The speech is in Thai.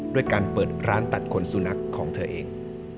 ด้วยการเปิดร้านตัดขนสุนัขของเธอเอง